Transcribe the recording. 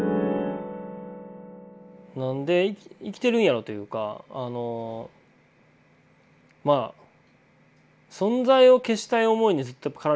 何で生きてるんやろというかまあ存在を消したい思いにずっと駆られてたんですよね。